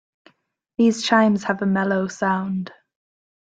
These chimes have a mellow sound.